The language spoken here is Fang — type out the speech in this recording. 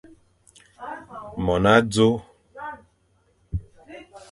Mon azo.